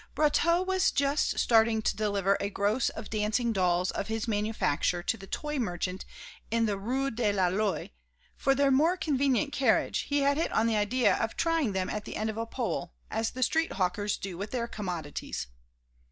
Brotteaux was just starting to deliver a gross of dancing dolls of his manufacture to the toy merchant in the Rue de la Loi; for their more convenient carriage he had hit on the idea of tying them at the end of a pole, as the street hawkers do with their commodities.